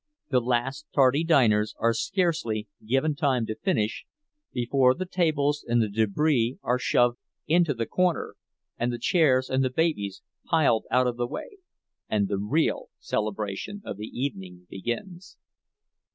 The last tardy diners are scarcely given time to finish, before the tables and the debris are shoved into the corner, and the chairs and the babies piled out of the way, and the real celebration of the evening begins.